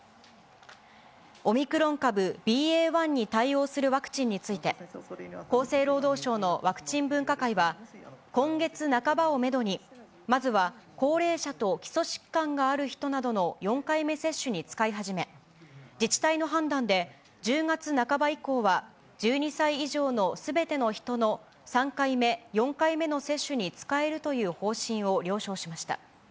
オミクロン株ＢＡ．１に対応するワクチンについて、厚生労働省のワクチン分科会は、今月半ばをメドに、まずは高齢者と基礎疾患がある人などの４回目接種に使い始め、自治体の判断で、１０月半ば以降は、１２歳以上のすべての人の３回目、４回目の接種に使えるという方針を了承しました。